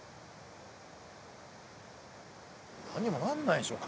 何にもなんないでしょ。